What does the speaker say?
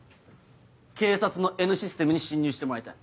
警察のＮシステムに侵入してもらいたい。